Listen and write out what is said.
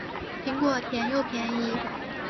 苹果甜又便宜